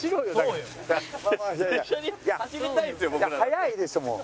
速いですもん。